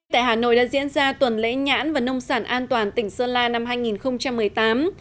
tại hà nội đã diễn ra tuần lễ nhãn và nông sản an toàn tỉnh sơn la năm hai nghìn một mươi tám